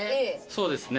そうですね。